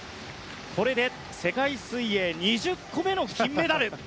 これで世界水泳２０個目の金メダル！